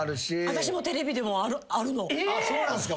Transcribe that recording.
私もテレビでもあるの。